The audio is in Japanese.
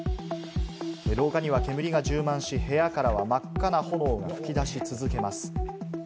廊下には煙が充満し、部屋からは真っ赤な炎が噴き出し続けます。